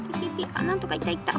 あっなんとかいったいった。